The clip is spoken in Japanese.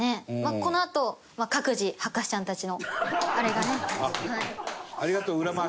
このあと各自博士ちゃんたちのあれがね。